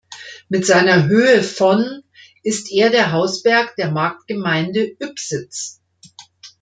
Mit seiner Höhe von ist er der Hausberg der Marktgemeinde Ybbsitz.